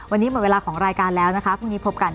วันนี้หมดเวลาของรายการแล้วนะคะพรุ่งนี้พบกัน